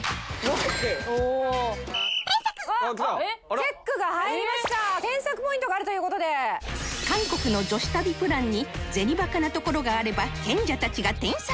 チェックが入りました添削ポイントがあるということで韓国の女子旅プランに銭バカなところがあれば賢者たちが添削